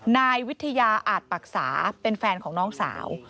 นายวิทยาอาจปรักษาเป็นแฟนของน้องสาว